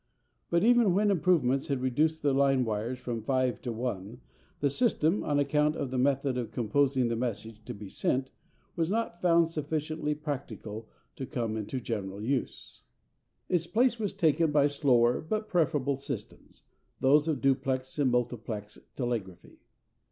But even when improvements had reduced the line wires from five to one, the system, on account of the method of composing the message to be sent, was not found sufficiently practical to come into general use. Its place was taken by slower but preferable systems: those of duplex and multiplex telegraphy.